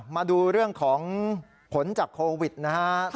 มาดูเรื่องของผลจากโควิดนะครับ